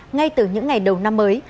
ngay từ những ngày đầu năm mới